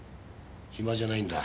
暇じゃないんだ。